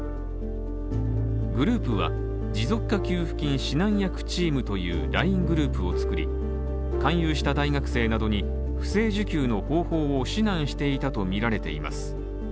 グループは、持続化給付金指南役チームというＬＩＮＥグループを作り、勧誘した大学生などに不正受給の方法を指南していたとみられています。